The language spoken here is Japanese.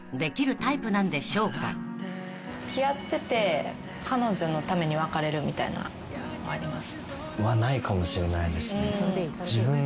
付き合ってて彼女のために別れるみたいなあります？